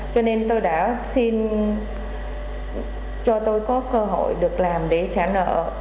cho nên tôi đã xin cho tôi có cơ hội được làm để trả nợ